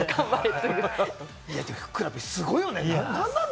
ふくらＰ、すごいよね。